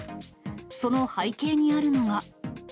その背景にあるのが。